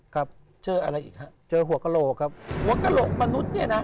ครับเจออะไรอีกฮะเจอหัวกระโหลกครับหัวกระโหลกมนุษย์เนี่ยนะ